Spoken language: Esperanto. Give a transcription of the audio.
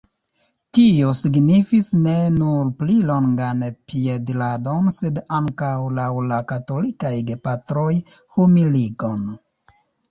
Tio signifis ne nur pli longan piediradon sed ankaŭ, laŭ la katolikaj gepatroj, humiligon.